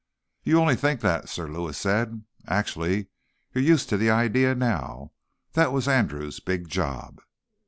"You only think that," Sir Lewis said. "Actually, you're used to the idea now. That was Andrew's big job."